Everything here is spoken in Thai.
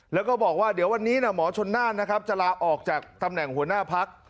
แล้วก็บอกว่าเดี๋ยววันนี้หมอชนน่านนะครับจะลาออกจากตำแหน่งหัวหน้าพัก